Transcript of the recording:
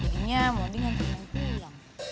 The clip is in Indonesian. jadinya mau dingin pulang pulang